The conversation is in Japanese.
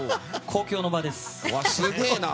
公共の場です。